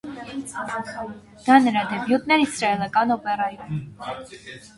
Դա նրա դեբյուտն էր իսրայելական օպերայում։